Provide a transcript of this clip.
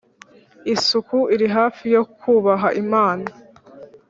isuku iri hafi yo kubaha imana